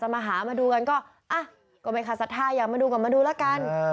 มาดูกันก็อ่ะก็ไม่คาสท่ายอยากมาดูก่อนมาดูล่ะกัน